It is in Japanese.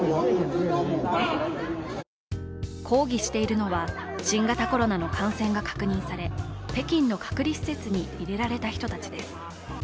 抗議しているのは、新型コロナの感染が確認され、北京の隔離施設に入れられた人たちです。